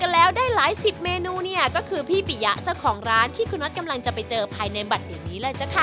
แล้วได้หลายสิบเมนูเนี่ยก็คือพี่ปิยะเจ้าของร้านที่คุณน็อตกำลังจะไปเจอภายในบัตรเดี๋ยวนี้เลยจ้ะค่ะ